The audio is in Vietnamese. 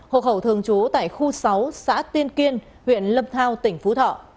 hộ khẩu thường trú tại khu sáu xã tiên kiên huyện lâm thao tỉnh phú thọ